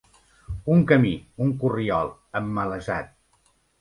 Un camí, un corriol, emmalesat.